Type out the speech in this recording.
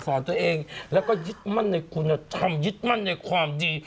ตัวเองแล้วก็ยึดมั่นในคุณธรรมยึดมั่นในความดี